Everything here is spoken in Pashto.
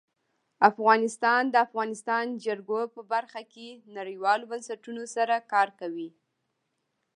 افغانستان د د افغانستان جلکو په برخه کې نړیوالو بنسټونو سره کار کوي.